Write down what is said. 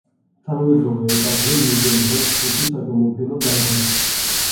თანამედროვე ეტაპზე მუზეუმს აქვს ხუთი საგამოფენო დარბაზი.